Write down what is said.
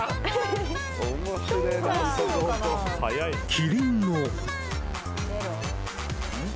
［キリンの］